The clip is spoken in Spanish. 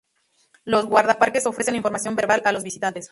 Los guardaparques ofrecen información verbal a los visitantes.